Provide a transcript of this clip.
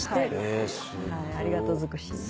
ありがとう尽くしです。